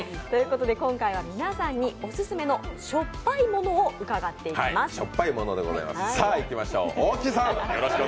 ということで今回は皆さんにオススメのしょっぱいものを伺っていきます。